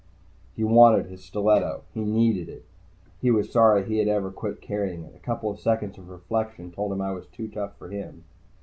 He wanted his stiletto. He needed it. He was sorry he had ever quit carrying it. A couple seconds of reflection told him I was too tough for him.